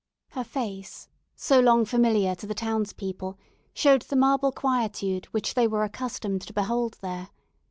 Her face, so long familiar to the townspeople, showed the marble quietude which they were accustomed to behold there.